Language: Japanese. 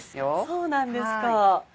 そうなんですか。